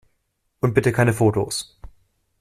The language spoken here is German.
Und bitte keine Fotos!